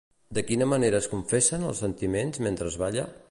De quina manera es confessen els sentiments mentre es balla?